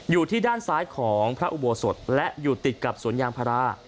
อยู่ที่ด้านซ้ายของพระอุโบสถและอยู่ติดกับสวนยางพารา